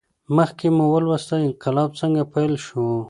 مخکې مو ولوستل انقلاب څنګه پیل شو.